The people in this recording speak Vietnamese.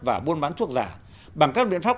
và buôn bán thuốc giả bằng các biện pháp